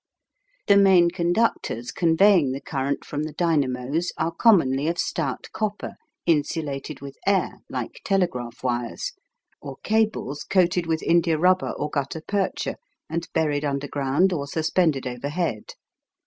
The main conductors conveying the current from the dynamos are commonly of stout copper insulated with air like telegraph wires, or cables coated with india rubber or gutta percha, and buried underground or suspended overhead.